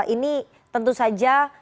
ini tentu saja